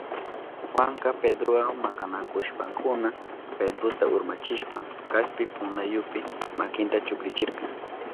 Juanka Pedrowa makanakushpankuna Pedrota urmachishpan kaspi puntayupi makinta chukrichirka.